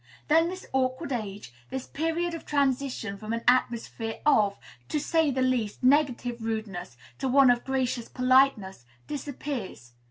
Then this awkward age this period of transition from an atmosphere of, to say the least, negative rudeness to one of gracious politeness disappears.